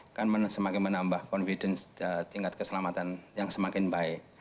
akan semakin menambah confidence tingkat keselamatan yang semakin baik